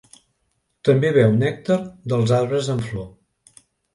També beu nèctar dels arbres en flor.